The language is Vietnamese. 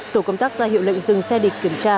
tổ công tác ra hiệu lệnh dừng xe địch kiểm tra